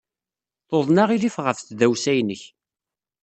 Tuḍen aɣilif ɣef tdawsa-inek.